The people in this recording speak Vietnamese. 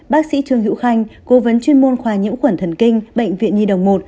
bác sĩ trương hữu khanh cố vấn chuyên môn khoa nhiễu quẩn thần kinh bệnh viện nhi đồng một